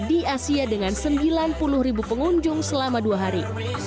di asia dengan sembilan puluh ribu pengunjung selama dua hari